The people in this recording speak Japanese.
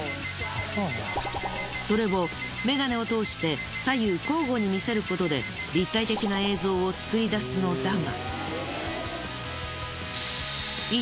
それをメガネを通して左右交互に見せることで立体的な映像を作り出すのだが。